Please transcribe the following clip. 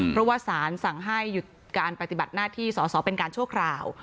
เพราะว่าสารสั่งให้หยุดการปฏิบัติหน้าที่สอสอเป็นการชั่วคราว